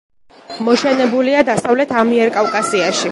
მოშენებულია დასავლეთ ამიერკავკასიაში.